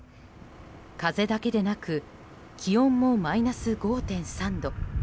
風だけでなく気温もマイナス５．３度。